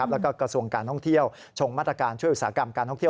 แล้วก็กระทรวงการท่องเที่ยวชงมาตรการช่วยอุตสาหกรรมการท่องเที่ยว